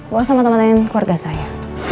gue sama teman teman keluarga saya